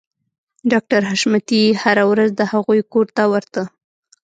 ډاکټر حشمتي هره ورځ د هغوی کور ته ورته